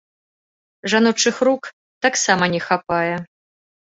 Жаночых рук таксама не хапае.